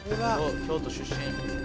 京都出身。